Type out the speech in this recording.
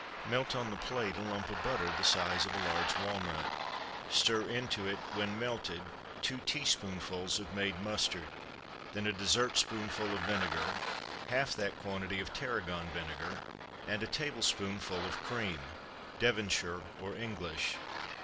Melt on the plate a lump of butter the size of a large walnut. Stir into it, when melted, two teaspoonfuls of made mustard, then a dessert spoonful of vinegar, half that quantity of tarragon vinegar, and a tablespoonful of cream Devonshire or English.